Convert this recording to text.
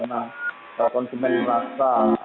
karena konsumen merasa